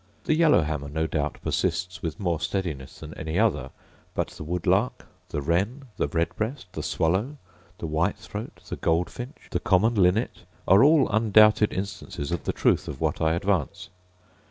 The yellowhammer no doubt persists with more steadiness than any other; but the woodlark, the wren, the red breast, the swallow, the white throat, the goldfinch, the common linnet, are all undoubted instances of the truth of what I advance.